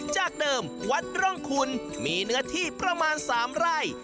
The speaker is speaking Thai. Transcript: จากเดิมวัดร่องคุณมีเนื้อที่ประมาณ๓ไร่